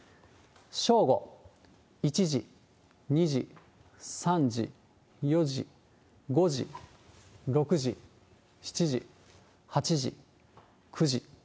正午、１時、２時、３時、４時、５時、６時、７時、８時、９時。